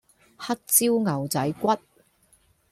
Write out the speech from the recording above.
黑椒牛仔骨